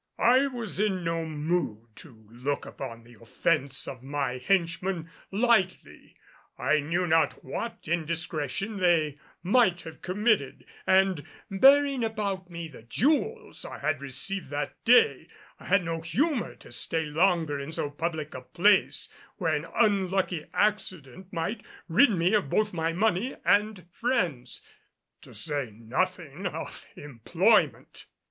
I was in no mood to look upon the offense of my henchmen lightly. I knew not what indiscretion they might have committed, and bearing about me the jewels I had received that day, I had no humor to stay longer in so public a place where an unlucky accident might rid me of both my money and friends, to say nothing of employment.